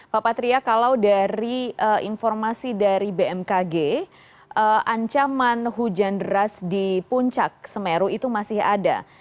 pak patria kalau dari informasi dari bmkg ancaman hujan deras di puncak semeru itu masih ada